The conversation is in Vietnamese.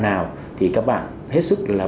nào thì các bạn hết sức là